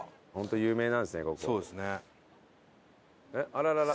あららら。